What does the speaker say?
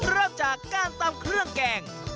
เริ่มจากการตำเครื่องแกง